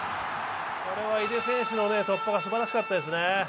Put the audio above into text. これは井手選手の突破がすばらしかったですね